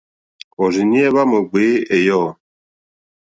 Òrzìɲɛ́ hwá mò ŋɡbèé ɛ̀yɔ̂.